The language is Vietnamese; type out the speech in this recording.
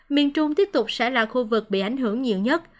miền trung tiếp tục sẽ là khu vực bị ảnh hưởng nhiều nhất